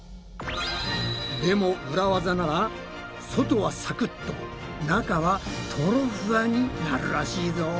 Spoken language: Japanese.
でもウラ技なら外はサクッと中はトロフワになるらしいぞ。